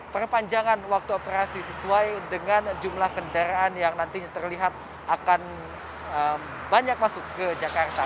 perpanjangan waktu operasi sesuai dengan jumlah kendaraan yang nantinya terlihat akan banyak masuk ke jakarta